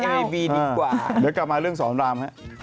เดี๋ยวกลับมาเรื่องสอนราม